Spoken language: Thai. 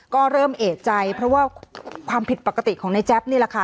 ก็เริ่มเอกใจเพราะว่าความผิดปกติของในแจ๊บนี่แหละค่ะ